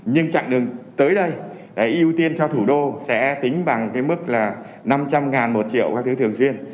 nhưng chặn đứng tới đây ưu tiên cho thủ đô sẽ tính bằng mức năm trăm linh một triệu các thứ thường xuyên